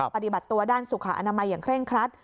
ปฏิบัติตัวด้านสุขอนามัยอย่างเร่งครัด